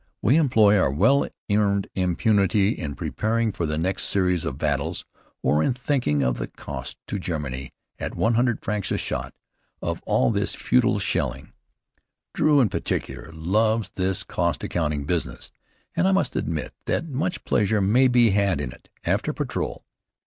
We employ our well earned immunity in preparing for the next series of batteries, or in thinking of the cost to Germany, at one hundred francs a shot, of all this futile shelling. Drew, in particular, loves this cost accounting business, and I must admit that much pleasure may be had in it, after patrol.